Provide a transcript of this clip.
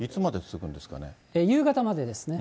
夕方までですね。